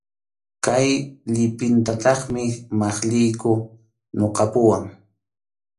Kay llipintataqmi maqlliyku ñuqapuwan.